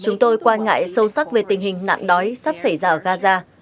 chúng tôi quan ngại sâu sắc về tình hình nạn đói sắp xảy ra ở gaza